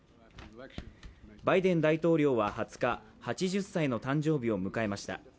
バイデン大統領は２０日８０歳の誕生日を迎えました。